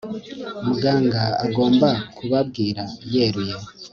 muganga agomba kubabwira yeruye